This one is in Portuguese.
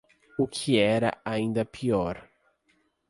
O que era ainda pior